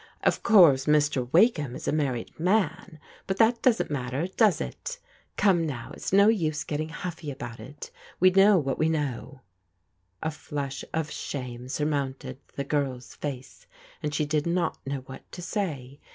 Of course Mr. Wakeham is a married man, but that doesn't matter, does it? Come now, it's no use getting huffy about it ; we know what we know." A flush of shame surmounted the girl's face, and she did not know what to say.